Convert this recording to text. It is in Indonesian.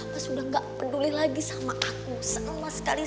mas udah gak peduli lagi sama aku sama sekali